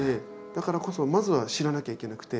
だからこそまずは知らなきゃいけなくて。